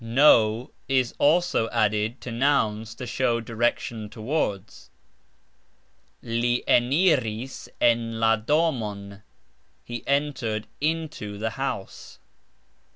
("n" is also added to nouns to show direction towards. "Li eniris en la domon", He entered into the house).